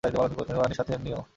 পানি নিয়ো সাথে।